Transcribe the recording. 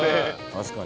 確かに。